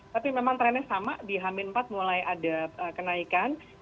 tapi memang trennya sama di hamin empat mulai ada kenaikan